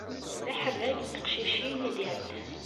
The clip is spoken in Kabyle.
D aḥerrag n teqcicin i d-iɛeddan.